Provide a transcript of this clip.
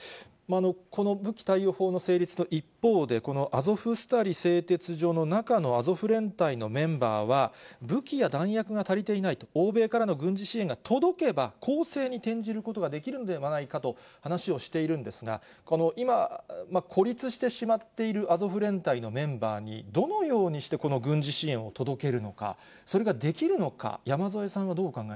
この武器貸与法の成立の一方で、このアゾフスタリ製鉄所の中のアゾフ連隊のメンバーは、武器や弾薬が足りていないと、欧米からの軍事支援が届けば、攻勢に転じることができるのではないかと話をしているんですが、この今、孤立してしまっているアゾフ連隊のメンバーに、どのようにして、この軍事支援を届けるのか、それができるのか。